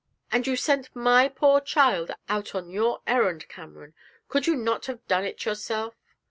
'And you sent my poor child out on your errand, Cameron! Could you not have done it yourself?'